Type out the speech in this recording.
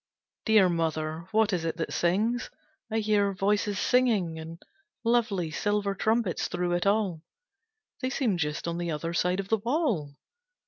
Dear Mother, what is it that sings? I hear voices singing, and lovely silver trumpets through it all. They seem just on the other side of the wall.